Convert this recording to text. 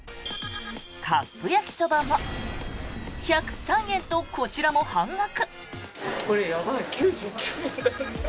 カップ焼きそばも１０３円とこちらも半額。